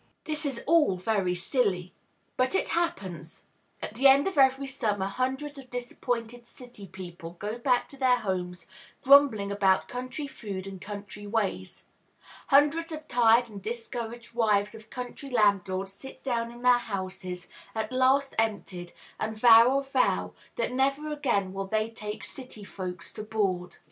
This is all very silly. But it happens. At the end of every summer hundreds of disappointed city people go back to their homes grumbling about country food and country ways. Hundreds of tired and discouraged wives of country landlords sit down in their houses, at last emptied, and vow a vow that never again will they take "city folks to board."